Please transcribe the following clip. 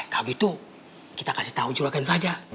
kalau gitu kita kasih tahu curahkan saja